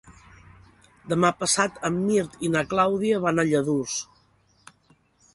Demà passat en Mirt i na Clàudia van a Lladurs.